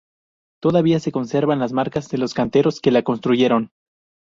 Todavía se conservan las marcas de los canteros que la construyeron.